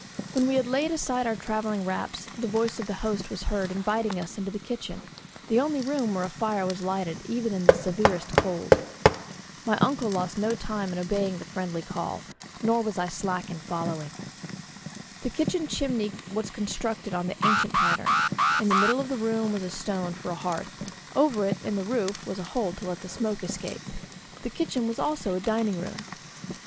When we had laid aside our travelling wraps the voice of the host was heard inviting us to the kitchen, the only room where a fire was lighted even in the severest cold. My uncle lost no time in obeying the friendly call, nor was I slack in following. The kitchen chimney was constructed on the ancient pattern; in the middle of the room was a stone for a hearth, over it in the roof a hole to let the smoke escape. The kitchen was also a dining room.